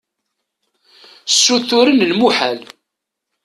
Ssuturen lmuḥal.